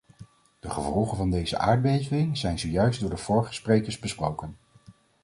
De gevolgen van deze aardbeving zijn zojuist door de vorige sprekers besproken.